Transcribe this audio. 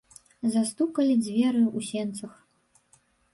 Застукалі дзверы ў сенцах.